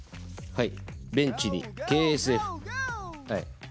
はい。